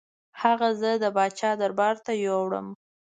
هغه زه د پاچا دربار ته یووړم.